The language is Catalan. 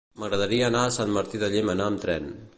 M'agradaria anar a Sant Martí de Llémena amb tren.